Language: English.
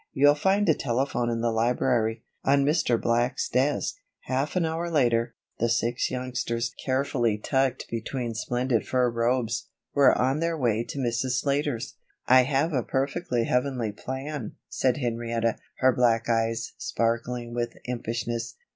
You'll find a telephone in the library, on Mr. Black's desk." Half an hour later, the six youngsters, carefully tucked between splendid fur robes, were on their way to Mrs. Slater's. "I have a perfectly heavenly plan," said Henrietta, her black eyes sparkling with impishness.